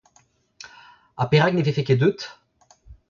Ha perak ne vefe ket deuet ?